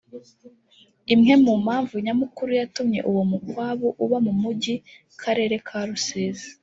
Imwe mumpamvu nyamukuru yatumye uwo mukwabu uba mu mujyi karere ka Rusizi